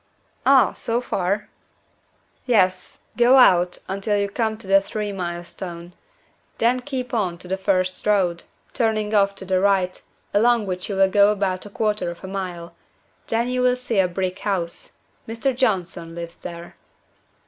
"Ah, so far?" "Yes. Go out until you come to the three mile stone; then keep on to the first road, turning off to the right, along which you will go about a quarter of a mile, when you will see a brick house. Mr. Johnson lives there."